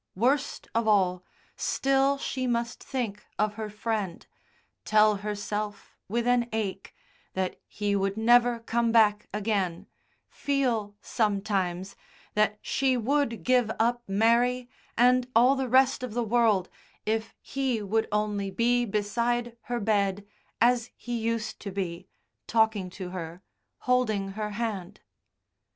Worst of all, still she must think of her Friend, tell herself with an ache that he would never come back again, feel, sometimes, that she would give up Mary and all the rest of the world if he would only be beside her bed, as he used to be, talking to her, holding her hand.